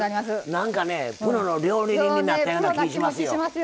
なんかね、プロの料理人になったような気がしますよ。